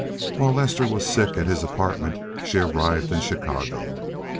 While Lester was sick at his apartment she arrived in Chicago.